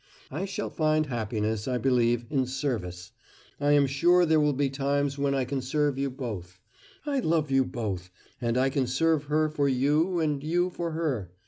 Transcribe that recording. I shall find happiness, I believe, in service I am sure there will be times when I can serve you both. I love you both and I can serve her for You and you for her.